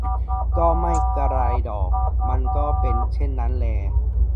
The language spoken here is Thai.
ก็ไม่กระไรดอก มันก็เป็นเช่นนั้นแล